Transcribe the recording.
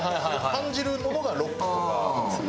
感じるものがロックとか。